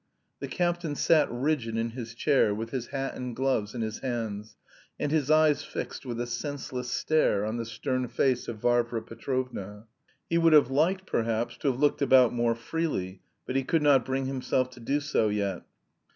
The captain sat rigid in his chair, with his hat and gloves in his hands and his eyes fixed with a senseless stare on the stern face of Varvara Petrovna. He would have liked, perhaps, to have looked about more freely, but he could not bring himself to do so yet.